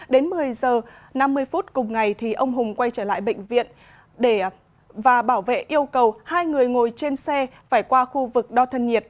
đến một mươi h năm mươi phút cùng ngày ông hùng quay trở lại bệnh viện và bảo vệ yêu cầu hai người ngồi trên xe phải qua khu vực đo thân nhiệt